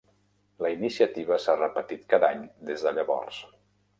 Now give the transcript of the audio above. La iniciativa s'ha repetit cada any des de llavors.